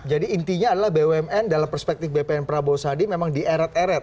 jadi intinya adalah bumn dalam perspektif bpn prabowo sadi memang di eret eret